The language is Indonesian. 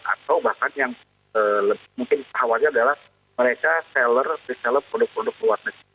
atau bahkan yang mungkin sahabatnya adalah mereka reseller produk produk luar negeri